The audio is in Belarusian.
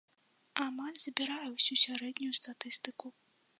Амаль забірае ўсю сярэднюю статыстыку.